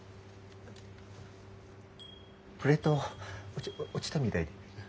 プレート落ち落ちたみたいで。